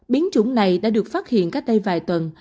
biến chủng này đã được phát hiện cách đây vài tuần